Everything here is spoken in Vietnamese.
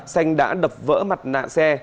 xanh đã đập vỡ mặt nạ xe